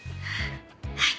はい。